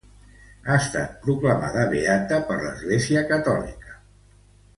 Ha estat proclamada beata per l'Església catòlica.